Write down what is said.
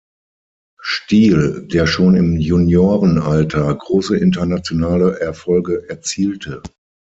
Stil, der schon im Juniorenalter große internationale Erfolge erzielte.